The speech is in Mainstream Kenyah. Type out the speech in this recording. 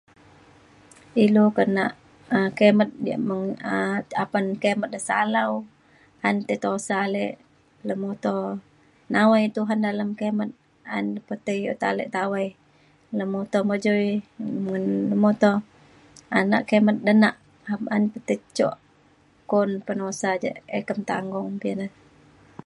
ilu kenak um kimet diak mung um na apan kimet e salau ayen ti tusa ale lemuto. nawai Tuhan dalem kimet ayan pe tei iut ale tawai nemuto mejui men nemuto nak kimet denak apan ti ke jok kun penusa ja ekem tanggung ji ne.